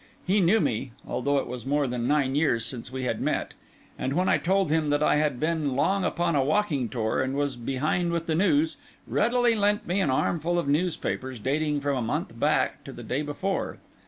He knew me, although it was more than nine years since we had met; and when I told him that I had been long upon a walking tour, and was behind with the news, readily lent me an armful of newspapers, dating from a month back to the day before.